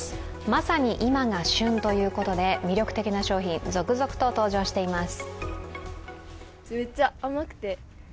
まさに今が旬ということで魅力的な商品、続々と登場しています。